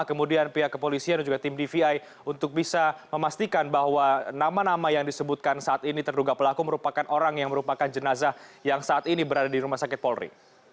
kemudian pihak kepolisian dan juga tim dvi untuk bisa memastikan bahwa nama nama yang disebutkan saat ini terduga pelaku merupakan orang yang merupakan jenazah yang saat ini berada di rumah sakit polri